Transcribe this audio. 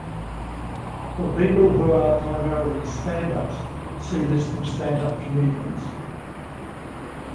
For people who are primarily stand-ups, see list of stand-up comedians.